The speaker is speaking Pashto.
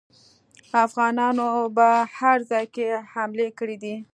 افغانانو په هر ځای کې حملې کړي دي.